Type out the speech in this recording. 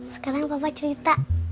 sekarang papa cerita